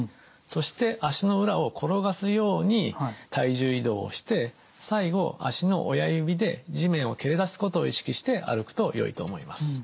そして足の裏を転がすように体重移動をして最後足の親指で地面を蹴り出すことを意識して歩くとよいと思います。